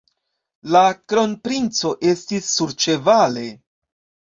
La kronprinco estis surĉevale.